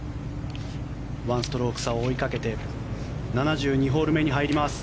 １ストローク差を追いかけて７２ホール目に入ります。